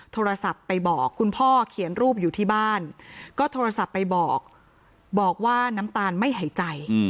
โทรศัพท์ไปบอกคุณพ่อเขียนรูปอยู่ที่บ้านก็โทรศัพท์ไปบอกบอกว่าน้ำตาลไม่หายใจ